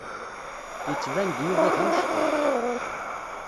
Yettban-d Yuba d amecṭuḥ.